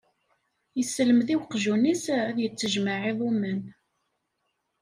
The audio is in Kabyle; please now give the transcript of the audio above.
Yesselmed i uqjun-is ad yettajmaɛ iḍumman.